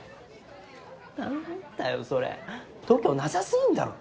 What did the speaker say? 何だよそれ度胸なさ過ぎんだろ。